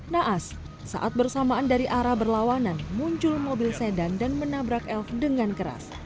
naas saat bersamaan dari arah berlawanan muncul mobil sedan dan menabrak elf dengan keras